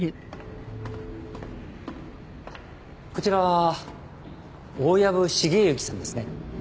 こちらは大藪重之さんですね。